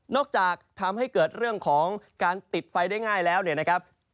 จากทำให้เกิดเรื่องของการติดไฟได้ง่ายแล้วเนี่ยนะครับ